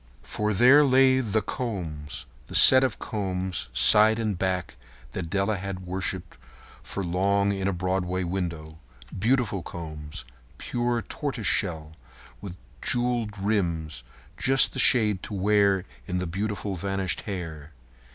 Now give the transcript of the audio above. For there lay The Combs—the set of combs, side and back, that Della had worshipped long in a Broadway window. Beautiful combs, pure tortoise shell, with jewelled rims—just the shade to wear in the beautiful vanished hair.